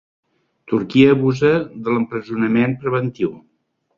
Turquia abusa de l'empresonament preventiu